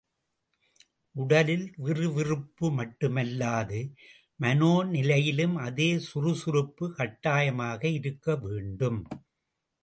உடலில் விறுவிறுப்பு மட்டுமல்லாது, மனோ நிலையிலும் அதே சுறுசுறுப்பு கட்டாயமாக இருக்க வேண்டும்.